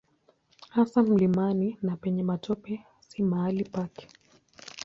Hasa mlimani na penye matope si mahali pake.